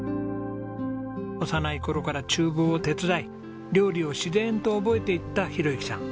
幼い頃から厨房を手伝い料理を自然と覚えていった宏幸さん。